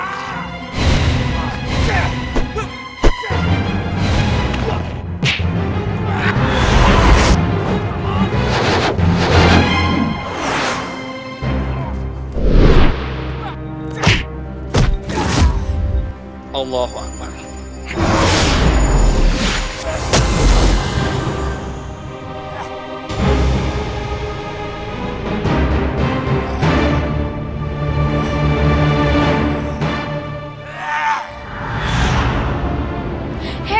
kau tak butuh kehendak yang ingin ketimah